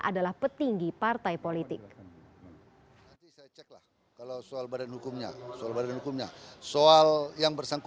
adalah petinggi partai politik